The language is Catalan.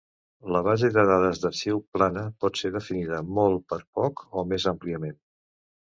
La base de dades d'arxiu plana pot ser definida molt per poc, o més àmpliament.